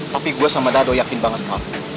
tapi gue sama dado yakin banget kak